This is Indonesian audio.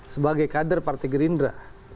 sebagai kader partai gerindra